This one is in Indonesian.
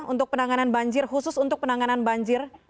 untuk penanganan banjir khusus untuk penanganan banjir